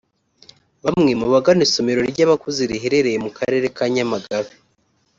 Bamwe mu bagana isomero ry’abakuze riherereye mu karere ka Nyamagabe